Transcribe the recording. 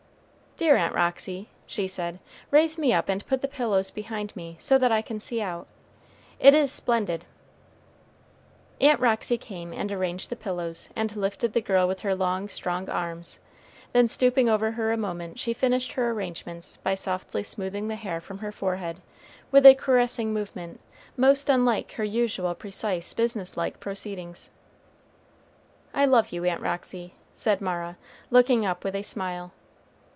"Dear Aunt Roxy," she said, "raise me up and put the pillows behind me, so that I can see out it is splendid." Aunt Roxy came and arranged the pillows, and lifted the girl with her long, strong arms, then stooping over her a moment she finished her arrangements by softly smoothing the hair from her forehead with a caressing movement most unlike her usual precise business like proceedings. "I love you, Aunt Roxy," said Mara, looking up with a smile.